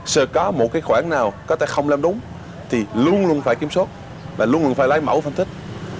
sợ có một cái khoản nào có thể không làm đúng thì luôn luôn phải kiểm soát và luôn cần phải lấy mẫu phân tích